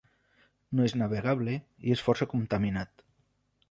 No és navegable i és força contaminat.